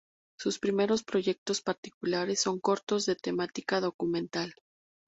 Sus primeros proyectos particulares son cortos de temática documental.